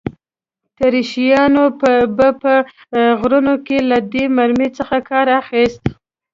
اتریشیانو به په غرونو کې له دې مرمۍ څخه کار اخیست.